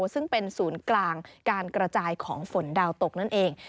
ซึ่งเป็นศูนย์กลางการกระจายของฝนดาวตกนั่นเอง